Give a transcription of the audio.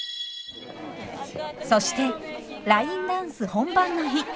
そしてラインダンス本番の日。